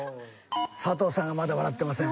佐藤さんがまだ笑ってません。